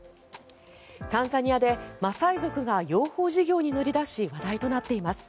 タンザニアでマサイ族が養蜂事業に乗り出し話題となっています。